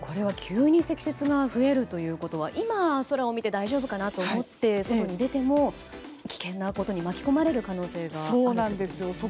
これは急に積雪が増えるということは今、空を見て大丈夫かなと思って外に出ても危険なことに巻き込まれる可能性があると。